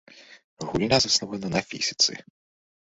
Гульня заснавана на фізіцы.